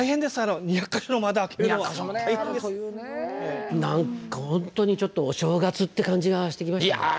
だからなんかほんとにちょっとお正月って感じがしてきましたね。